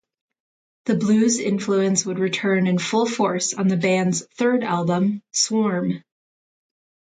The blues influence would return in full force on the band's third album, "Swarm".